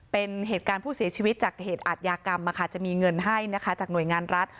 เป็นเหตุการณ์ผู้เสียชีวิตจากเหตุอาทยากรรมจะมีเงินให้นะคะจากหน่วยงานรัฐ